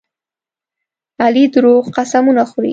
علي دروغ قسمونه خوري.